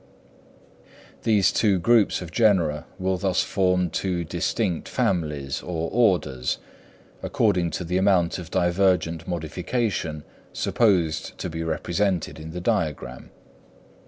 These two groups of genera will thus form two distinct families, or orders, according to the amount of divergent modification supposed to be represented in the diagram.